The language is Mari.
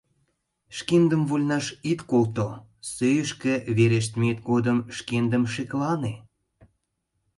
— Шкендым вольнаш ит колто, сӧйышкӧ верештмет годым шкендым шеклане.